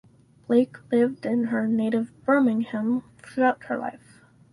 Blake lived in her native Birmingham throughout her life.